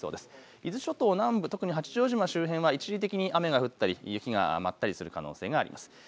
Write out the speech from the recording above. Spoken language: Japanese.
伊豆諸島南部、特に八丈島周辺は一時的に雨が降ったり雪が舞ったりする可能性があります。